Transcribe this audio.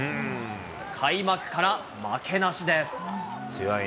開幕から負けなしです。